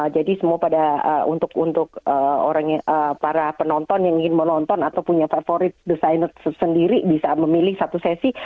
jadi semua pada untuk untuk para penonton yang ingin menonton atau punya favorit desainer sendiri bisa memilih satu sesi